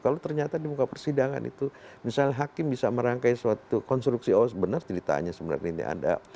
kalau ternyata di muka persidangan itu misalnya hakim bisa merangkai suatu konstruksi oh benar ceritanya sebenarnya ini ada